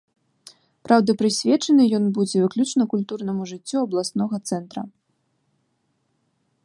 Праўда, прысвечаны ён будзе выключна культурнаму жыццю абласнога цэнтра.